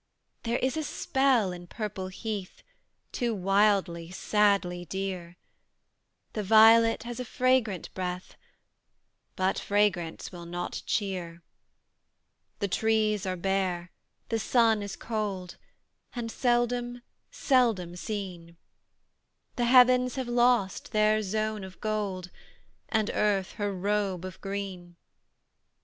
There is a spell in purple heath Too wildly, sadly dear; The violet has a fragrant breath, But fragrance will not cheer, The trees are bare, the sun is cold, And seldom, seldom seen; The heavens have lost their zone of gold, And earth her robe of green.